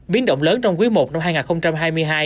biến động lớn trong quý i năm hai nghìn hai mươi hai